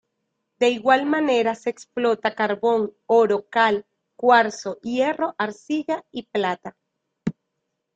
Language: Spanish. De igual manera se explota carbón, oro cal, cuarzo, hierro, arcilla y plata.